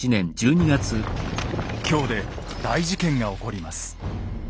京で大事件が起こります。